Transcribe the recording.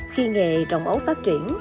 khi nghề trồng ấu phát triển